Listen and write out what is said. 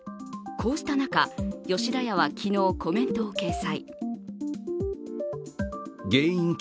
こうした中、吉田屋は昨日コメントを掲載。